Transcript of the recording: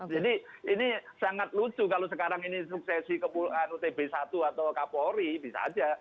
jadi ini sangat lucu kalau sekarang ini suksesi kebualan utb satu atau kapolri bisa aja